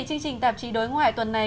chương trình tạp chí đối ngoại tuần này